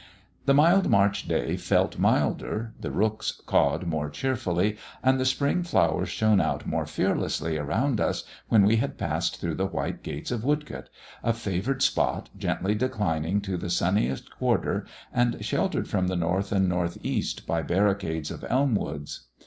The mild March day felt milder, the rooks cawed more cheerfully, and the spring flowers shone out more fearlessly around us when we had passed through the white gates of Woodcote a favoured spot gently declining to the sunniest quarter, and sheltered from the north and north east by barricades of elm woods.